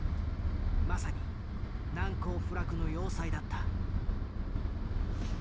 まさに難攻不落の要塞だった。